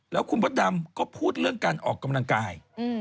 แล้วคุณมดดำก็พูดเรื่องการออกกำลังกาย